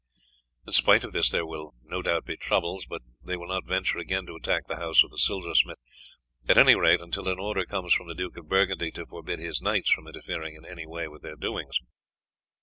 "In spite of this there will no doubt be troubles; but they will not venture again to attack the house of the silversmith, at any rate until an order comes from the Duke of Burgundy to forbid his knights from interfering in any way with their doings."